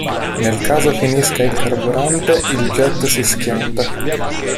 Nel caso finisca il carburante il jet si schianta.